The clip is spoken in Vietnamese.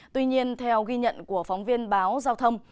tuy nhiên theo ghi nhận của phóng viên báo giao thông